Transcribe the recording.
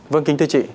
vâng kính thưa chị